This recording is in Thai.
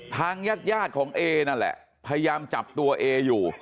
ทางญาติยาดของเอนั่นแหละพยายามจับตัวเออยู่